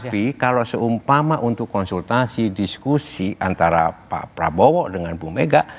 tapi kalau seumpama untuk konsultasi diskusi antara pak prabowo dengan bu mega